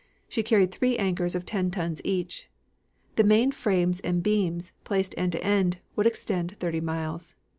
She carried three anchors of ten tons each. The main frames and beams, placed end to end, would extend thirty miles.